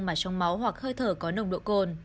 mà trong máu hoặc hơi thở có nồng độ cồn